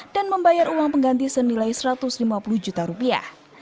dan membayar uang pengganti senilai satu ratus lima puluh juta rupiah